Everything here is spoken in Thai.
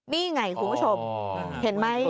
นี่ไงคุณผู้ชมเห็นไหม